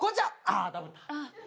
あダブった。